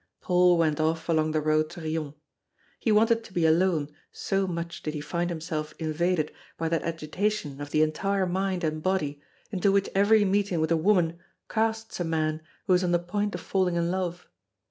Paul went off along the road to Riom. He wanted to be alone so much did he find himself invaded by that agitation of the entire mind and body into which every meeting with a woman casts a man who is on the point of falling in love.